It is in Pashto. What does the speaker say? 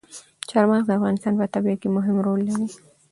چار مغز د افغانستان په طبیعت کې مهم رول لري.